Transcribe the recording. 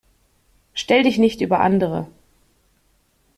Stell dich nicht über andere.